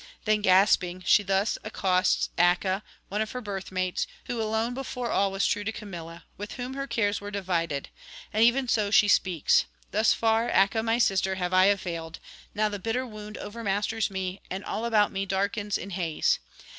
Then gasping, she thus accosts Acca, one of her birthmates, who alone before all was true to Camilla, with whom her cares were divided; and even so she speaks: 'Thus far, Acca my sister, have I availed; now the bitter wound overmasters me, and all about me darkens in haze.